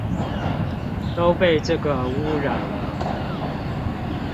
都被這個污染了